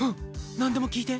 なんでも聞いて。